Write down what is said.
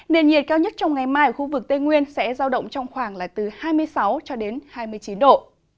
nền nhiệt cao nhất trong ngày mai ở khu vực tây nguyên sẽ giao động trong khoảng là từ hai mươi sáu cho đến hai mươi chín độ